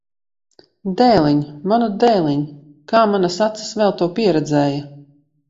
Dēliņ! Manu dēliņ! Kā manas acis vēl to pieredzēja!